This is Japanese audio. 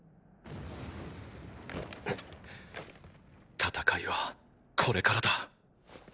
戦いはこれからだ。